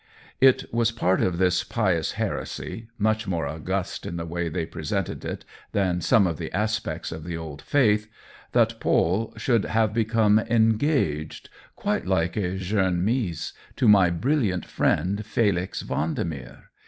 It was a part of this pious heresy — much more august in the way they presented it than some of the aspects of the old faith — that Paule should have become "engaged," quite like a jeune mees^ to my brilliant friend Fdlix Vendemer.